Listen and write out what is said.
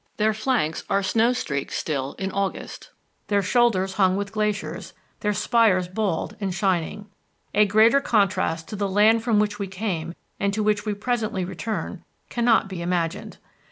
Their flanks are snow streaked still in August, their shoulders hung with glaciers, their spires bare and shining. A greater contrast to the land from which we came and to which we presently return cannot be imagined.